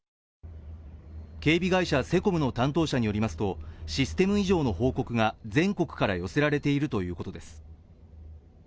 警備会社セコムの担当者によりますと、システム異常の報告が全国から寄せられているということです。